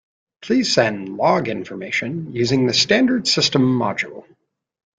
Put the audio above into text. Please send log information using the standard system module.